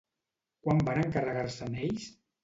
Quan van encarregar-se'n ells?